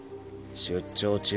出張中。